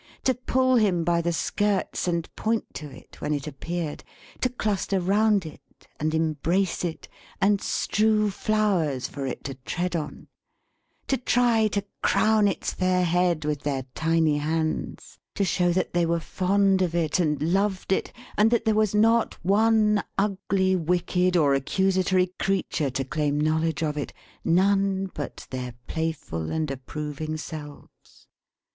To pull him by the skirts, and point to it when it appeared. To cluster round it, and embrace it, and strew flowers for it to tread on. To try to crown its fair head with their tiny hands. To show that they were fond of it and loved it; and that there was not one ugly, wicked, or accusatory creature to claim knowledge of it none but their playful and approving selves.